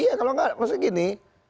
iya kalau enggak maksudnya gini